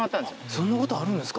そんなことあるんですか？